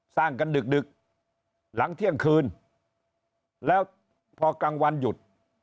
สร้างกันดึกหลังเที่ยงคืนแล้วพอกลางวันหยุด